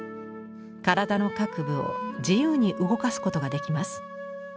体の各部を自由に動かすことができます。